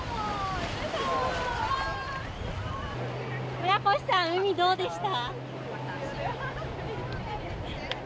村越さん、海どうでした？